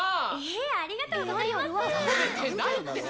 えっありがとうございます。